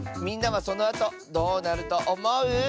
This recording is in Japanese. みんなはそのあとどうなるとおもう？